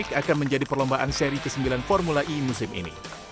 jakarta e tiga akan menjadi perlombaan seri ke sembilan formula e musim ini